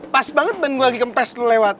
pas banget ban gue lagi kempes lo lewat